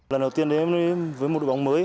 lần đầu tiên đến với một đội bóng mới